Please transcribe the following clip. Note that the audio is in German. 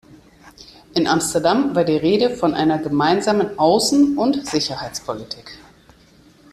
In Amsterdam war die Rede von einer gemeinsamen Außen und Sicherheitspolitik.